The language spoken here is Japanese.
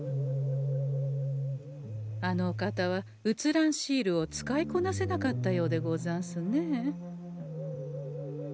あのお方は写らんシールを使いこなせなかったようでござんすね。